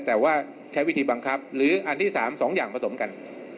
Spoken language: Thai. แต่ว่าใช้วิธีบังคับหรืออันที่๓๒อย่างผสมกัน